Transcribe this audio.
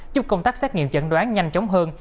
giúp công tác xét nghiệm chẩn đoán nhanh chóng hơn